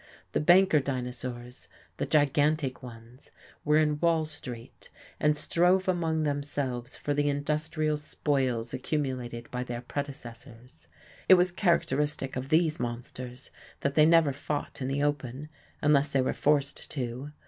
The banker dinosaurs, the gigantic ones, were in Wall Street, and strove among themselves for the industrial spoils accumulated by their predecessors. It was characteristic of these monsters that they never fought in the open unless they were forced to.